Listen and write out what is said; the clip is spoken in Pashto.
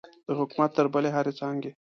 د حکومت تر بلې هرې څانګې.